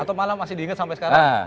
atau malah masih diingat sampai sekarang